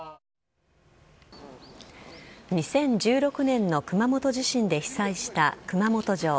２０１６年の熊本地震で被災した熊本城。